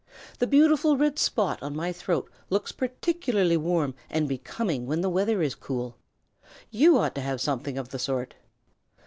"The beautiful red spot on my throat looks particularly warm and becoming when the weather is cool. You ought to have something of the sort."